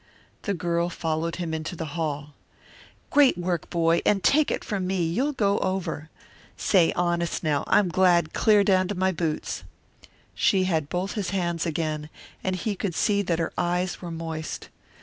The girl followed him into the hall. "Great work, boy, and take it from me, you'll go over. Say, honest now, I'm glad clear down into my boots." She had both his hands again, and he could see that her eyes were moist.